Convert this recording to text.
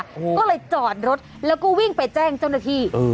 ก็เลยจอดรถแล้วก็วิ่งไปแจ้งเจ้าหน้าที่